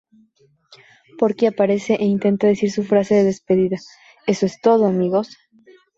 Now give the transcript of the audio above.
Porky aparece e intenta decir su frase de despedida, "¡Eso es todo, amigos!